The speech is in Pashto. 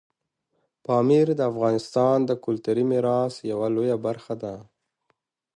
پامیر د افغانستان د کلتوري میراث یوه لویه برخه ده.